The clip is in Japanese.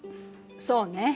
そうね。